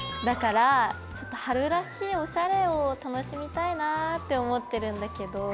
だからちょっと春らしいおしゃれを楽しみたいなぁって思ってるんだけど。